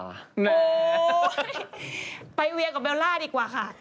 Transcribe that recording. โอ้โหไปเวียกับเบลล่าดีกว่าค่ะ